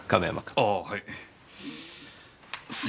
ああはい。